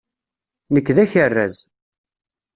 Nekk d akerraz.